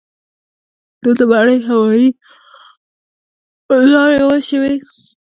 نو د مرۍ هوائي لارې وچې وي